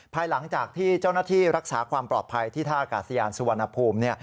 ภายหลังจากที่เจ้าหน้าที่รักษาความปลอดภัยที่ท่าอากาศยานสุวรรณภูมิ